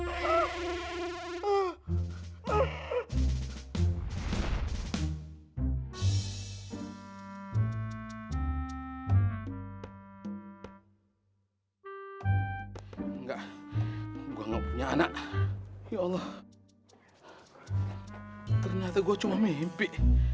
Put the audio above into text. enggak enggak punya anak ya allah ternyata gua cuma mimpi